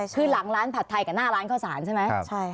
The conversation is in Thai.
คือหลังร้านผัดไทยกับหน้าร้านข้าวสารใช่ไหม